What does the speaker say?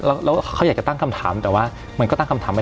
แล้วเขาอยากจะตั้งคำถามแต่ว่ามันก็ตั้งคำถามไว้